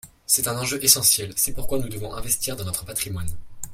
C’est un enjeu essentiel : c’est pourquoi nous devons investir dans notre patrimoine.